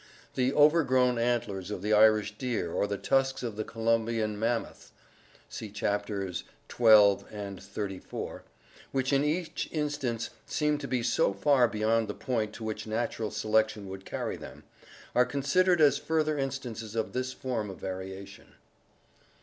The overgrown antlers of the Irish deer or the tusks of the Columbian mammoth (see Chapters XII and XXXIV) which in each instance seem to be so far beyond the point to which natural selection would carry them, are considered as further instances of this form of variation.